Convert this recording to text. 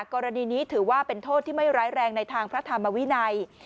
กรณีนี้ถือว่าเป็นโทษที่ไม่ร้ายแรงในทางพระธรรมวินัย